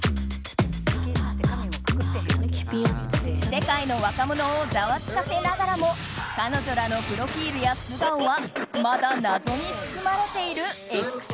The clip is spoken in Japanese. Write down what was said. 世界の若者をざわつかせながらも彼女らのプロフィールや素顔はまだ謎に包まれているＸＧ。